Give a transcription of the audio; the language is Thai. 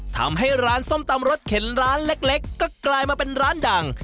ทำให้ร้านส้มตำรสเข็นร้านเล็กก็กลายมาเป็นร้านดัง